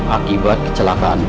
akibat kecelakaan tadi